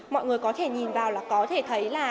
mọi người có thể nhìn vào là có thể thấy là